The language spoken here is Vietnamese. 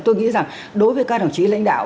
tôi nghĩ rằng đối với các đồng chí lãnh đạo